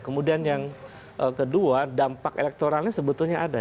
kemudian yang kedua dampak elektoralnya sebetulnya ada